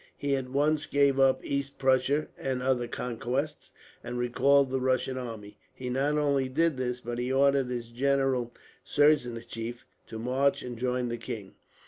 He at once gave up East Prussia and other conquests, and recalled the Russian army. He not only did this, but he ordered his General Czernichef to march and join the king.